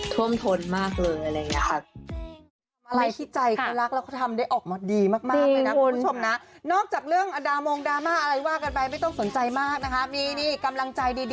ท่วมทนมากเลยอะไรอย่างนี้ค่ะ